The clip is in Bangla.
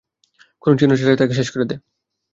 কোনো চিহ্ন ছাড়াই তাকে শেষ করে দে।